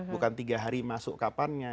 bukan tiga hari masuk kapannya